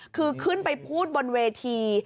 คือขึ้นไปพูดบนเวที